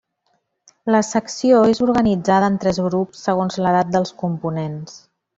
La secció és organitzada en tres grups segons l'edat dels components.